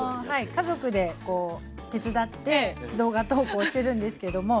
家族でこう手伝って動画投稿してるんですけども。